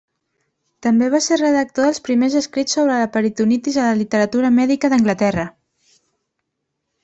També va ser redactor dels primers escrits sobre la peritonitis a la literatura mèdica d'Anglaterra.